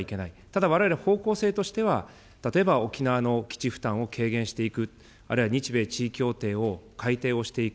ただ、われわれ方向性としては、例えば沖縄の基地負担を軽減していく、あるいは日米地位協定を改定をしていく。